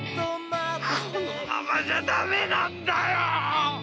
このままじゃ、駄目なんだよ！